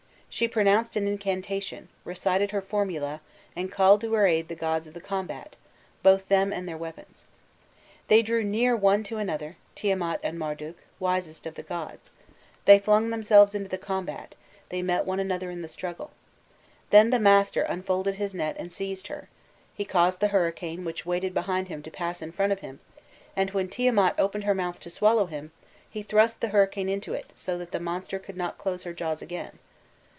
She pronounced an incantation, recited her formula, and called to her aid the gods of the combat, both them and their weapons. They drew near one to another, Tiamat and Marduk, wisest of the gods: They flung themselves into the combat, they met one another in the struggle. Then the master unfolded his net and seized her; he caused the hurricane which waited behind him to pass in front of him, and, when Tiamat opened her mouth to swallow him, he thrust the hurricane into it so that the monster could not close her jaws again.